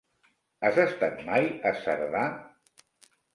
Has estat mai a Cerdà?